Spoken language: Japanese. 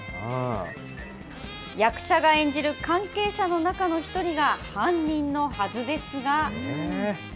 役者が演じる関係者の中の一人が犯人のはずですが。